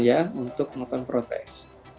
ya untuk menonton protes